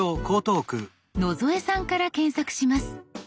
野添さんから検索します。